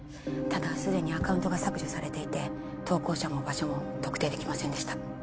ただすでにアカウントが削除されていて投稿者も場所も特定できませんでした